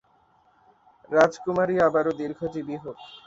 রাজকুমারী অরোরা দীর্ঘজীবী হোক।